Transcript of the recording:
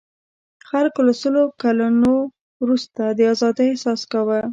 خلکو له سلو کلنو وروسته د آزادۍاحساس کاوه.